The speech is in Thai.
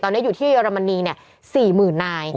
ตอนนี้อยู่ที่เยอรมนีนี่ฮะ